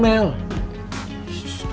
mel yang siang mel